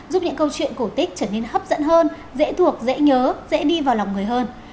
giúp những câu chuyện cổ tích trở nên hấp dẫn hơn dễ thuộc dễ nhớ dễ đi vào lòng người hơn